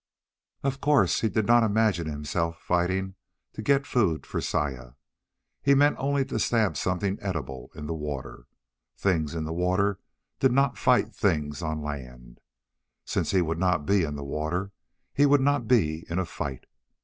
Of course he did not imagine himself fighting to get food for Saya. He meant only to stab something edible in the water. Things in the water did not fight things on land. Since he would not be in the water, he would not be in a fight.